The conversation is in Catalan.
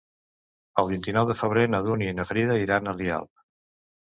El vint-i-nou de febrer na Dúnia i na Frida iran a Rialp.